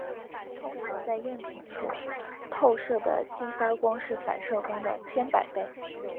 通常在样品处透射的激发光是反射光的千百倍。